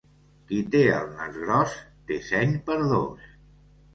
El qui té el nas gros té seny per dos.